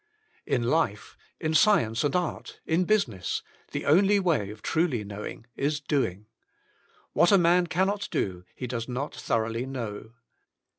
In life, in science and art, in business, the only way of truly knowing, is doing. What a man can not do he does not thoroughly know.